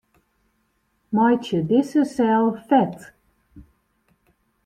Meitsje dizze sel fet.